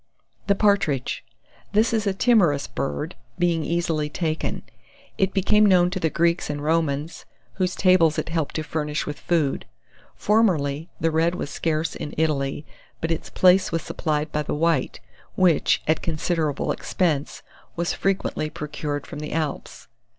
THE PARTRIDGE. This is a timorous bird, being easily taken. It became known to the Greeks and Romans, whose tables it helped to furnish with food. Formerly, the Red was scarce in Italy, but its place was supplied by the White, which, at considerable expense, was frequently procured from the Alps.